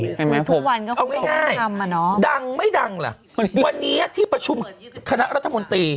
ทุกวันก็คือเอาง่ายดังไม่ดังล่ะวันนี้ที่ประชุมคณะรัฐมนตรี